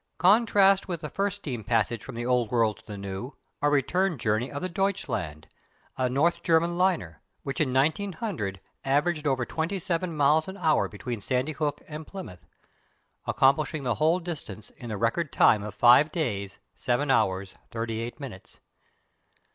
Contrast with the first steam passage from the Old World to the New a return journey of the Deutschland, a North German liner, which in 1900 averaged over twenty seven miles an hour between Sandy Hook and Plymouth, accomplishing the whole distance in the record time of five days seven hours thirty eight minutes.